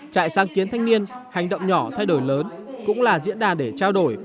trại sáng kiến thanh niên hành động nhỏ thay đổi lớn cũng là diễn đàn để trao đổi